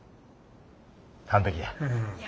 完璧や。